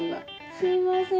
すみません